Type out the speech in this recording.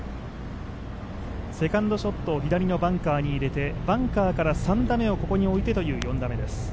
セカンドショットを左のバンカーに入れてバンカーから３打目をここに置いてという、４打目です。